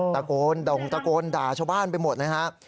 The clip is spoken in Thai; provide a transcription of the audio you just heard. ตะโกนด่งตะโกนด่าชาวบ้านไปหมดเลยฮะ